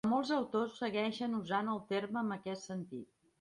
Però molts autors segueixen usant el terme amb aquest sentit.